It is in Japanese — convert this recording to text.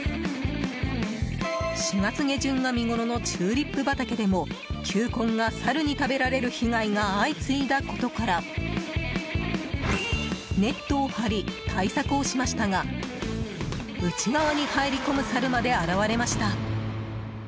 ４月下旬が見ごろのチューリップ畑でも球根がサルに食べられる被害が相次いだことからネットを張り、対策をしましたが内側に入り込むサルまで現れました。